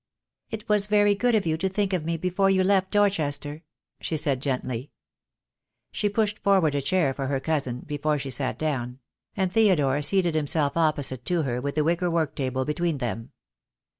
"It was very good of you to think of me before you left Dorchester," she said, gently. She pushed forward a chair for her cousin, before she sat down; and Theodore seated himself opposite to her with the wicker work table between them.